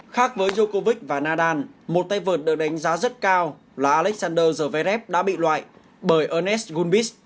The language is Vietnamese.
khác với djokovic và nadal một tay vượt được đánh giá rất cao là alexander zverev đã bị loại bởi ernest gumbis